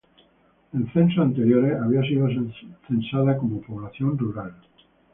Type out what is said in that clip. En censos anteriores había sido censada como población rural.